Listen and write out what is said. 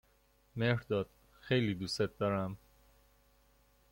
مهرداد خیلی دوستت دارم.